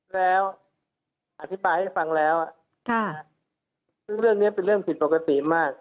แล้วอธิบายให้ฟังแล้วซึ่งเรื่องนี้เป็นเรื่องผิดปกติมาก